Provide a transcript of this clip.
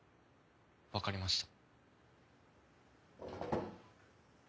わかりました。